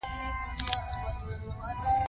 دا لومړی ځل و چې ما یو انسان وواژه